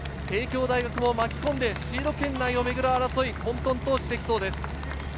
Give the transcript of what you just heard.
帝京大学も巻き込んで、シード圏内をめぐる争い、混沌としてきそうです。